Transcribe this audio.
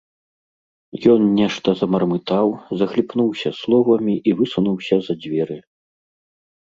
Ён нешта замармытаў, захліпнуўся словамі і высунуўся за дзверы.